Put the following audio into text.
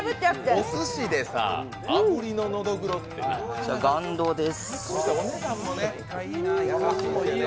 おすしでさ、あぶりののどぐろってね。